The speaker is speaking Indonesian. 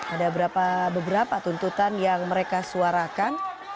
ada beberapa tuntutan yang mereka suarakan